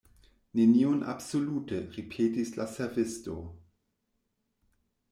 "Nenion absolute!" ripetis la servisto.